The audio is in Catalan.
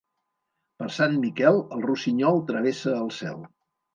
Per Sant Miquel el rossinyol travessa el cel.